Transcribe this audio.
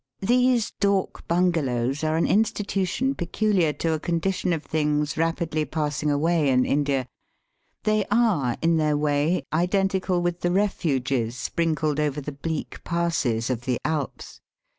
These dak bungalows are an institution peculiar to a condition of things rapidly passing away in India. They are, in their way, identical with the refuges sprinkled over the bleak passes of the Alps.